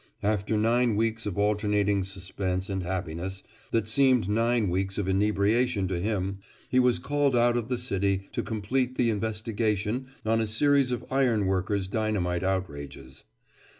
After nine weeks of alternating suspense and happiness that seemed nine weeks of inebriation to him, he was called out of the city to complete the investigation on a series of iron workers' dynamite outrages.